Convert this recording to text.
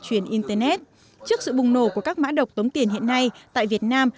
truyền internet trước sự bùng nổ của các mã độc tống tiền hiện nay tại việt nam